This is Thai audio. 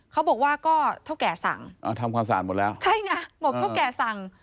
เขาบอกว่าก็เท่าแก่สั่งทำความสะอาดหมดแล้วใช่ไงบอกเท่าแก่สั่ง